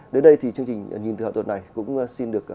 đến đây thì chương trình nhìn thử hợp tuần này cũng xin được